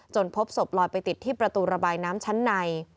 พบศพลอยไปติดที่ประตูระบายน้ำชั้นใน